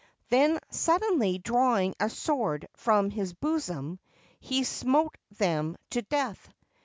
Then, suddenly drawing a sword from his bosom, he smote them to death.